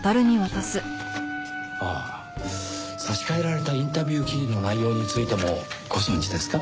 ああ差し替えられたインタビュー記事の内容についてもご存じですか？